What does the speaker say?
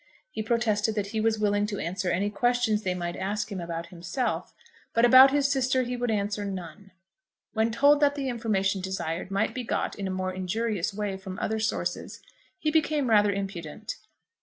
He protested that he was willing to answer any questions they might ask him about himself; but about his sister he would answer none. When told that the information desired might be got in a more injurious way from other sources, he became rather impudent.